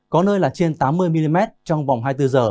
có nơi là trên tám mươi mm trong vòng hai mươi bốn h